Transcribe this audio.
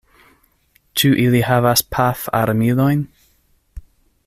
Ĉu ili havas pafarmilojn?